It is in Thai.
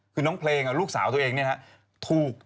คืนน้องเพลงลูกสาวตัวเองเนี่ยนะฮะ